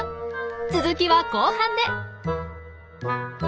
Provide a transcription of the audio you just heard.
続きは後半で！